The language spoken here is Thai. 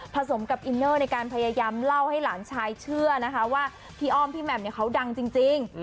สมกับอินเนอร์ในการพยายามเล่าให้หลานชายเชื่อนะคะว่าพี่อ้อมพี่แหม่มเนี่ยเขาดังจริง